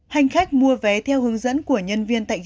hành khách mua vé theo hướng dẫn của nhân viên tại chỗ